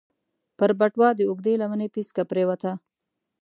پر بټوه د اوږدې لمنې پيڅکه پرېوته.